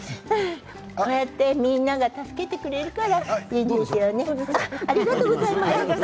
こうやってみんなが助けてくれるからいいですよね。